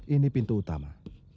ini pintu utama